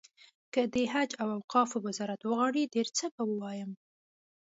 که د حج او اوقافو وزارت وغواړي ډېر څه به ووایم.